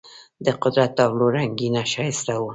د قدرت تابلو رنګینه ښایسته وه.